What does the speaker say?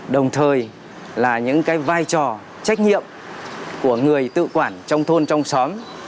đồng thời là những cái vai trò trách nhiệm của người tự quản trong thôn trong xóm